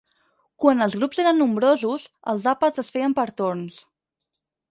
Quan els grups eren nombrosos, els àpats es feien per torns.